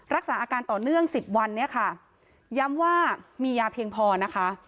รักษาอาการต่อเนื่อง๑๐วันย้ำว่ามียาเพียงพอนะคะ